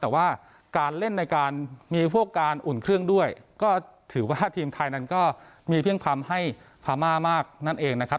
แต่ว่าการเล่นในการมีพวกการอุ่นเครื่องด้วยก็ถือว่าทีมไทยนั้นก็มีเพียงทำให้พม่ามากนั่นเองนะครับ